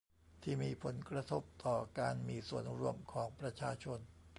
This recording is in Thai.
ที่มีผลกระทบต่อการมีส่วนร่วมของประชาชน